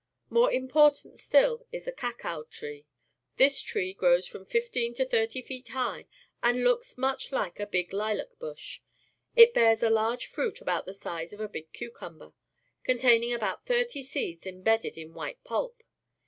More im portant stiU is the cacao tree. Tliis tree grows from fifteen to thirty feet high and looks mucli like a big hlac bush. It bears of South America, Caracas, Venezuela ^ large f l"uit about the size of a big cucumber, containing about thirty seeds embedded in white pulp.